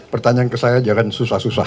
pertanyaan ke saya jangan susah susah